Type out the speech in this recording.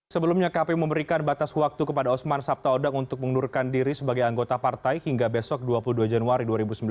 sebelumnya kpu memberikan batas waktu kepada osman sabtaodang untuk mengundurkan diri sebagai anggota partai hingga besok dua puluh dua januari dua ribu sembilan belas